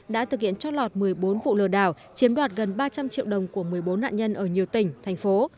đã thực hiện trót lọt một mươi bốn vụ lừa đảo chiếm đoạt gần ba trăm linh triệu đồng của một mươi bốn nạn nhân ở nhiều tỉnh thành phố